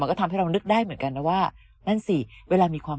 ก็ทำให้เรานึกได้เหมือนกันนะว่านั่นสิเวลามีความ